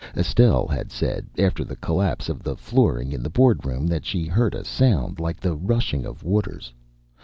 Estelle had said, after the collapse of the flooring in the board room, that she heard a sound like the rushing of waters.